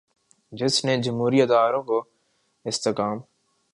جس نے جمہوری اداروں کو استحکام